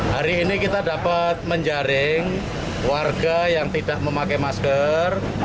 hari ini kita dapat menjaring warga yang tidak memakai masker